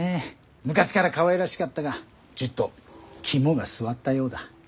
昔からかわいらしかったがちっと肝が据わったようだ。